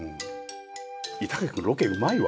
板垣君ロケうまいわ。